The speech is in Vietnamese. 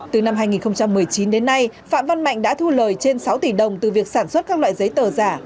từ năm hai nghìn một mươi chín đến nay phạm văn mạnh đã thu lời trên sáu tỷ đồng từ việc sản xuất các loại giấy tờ giả